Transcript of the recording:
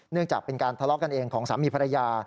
จากเป็นการทะเลาะกันเองของสามีภรรยา